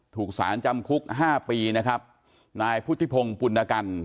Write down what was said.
ถูกสารจำคุกห้าปีนะครับนายพุทธิพงศ์ปุณกัน